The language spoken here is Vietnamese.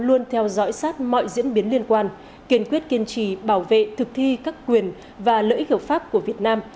luôn theo dõi sát mọi diễn biến liên quan kiên quyết kiên trì bảo vệ thực thi các quyền và lợi ích hợp pháp của việt nam